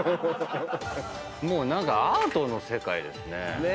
もう何かアートの世界ですね。